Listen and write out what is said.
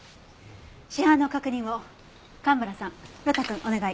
死斑の確認を蒲原さん呂太くんお願い。